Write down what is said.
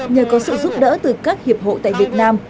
nhờ có sự giúp đỡ từ các hiệp hội tại việt nam